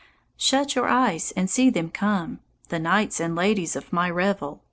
Shut your eyes, and see them come the knights and ladies of my revel.